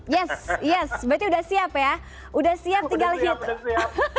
yes yes berarti udah siap ya udah siap tinggal hit udah siap udah siap